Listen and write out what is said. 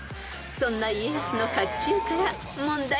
［そんな家康の甲冑から問題］